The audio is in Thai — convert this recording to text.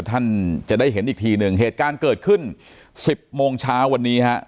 ท่านจะได้เห็นอีกทีหนึ่งเหตุการณ์เกิดขึ้นสิบโมงเช้าวันนี้ฮะ